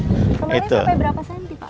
kemarin sampai berapa cm pak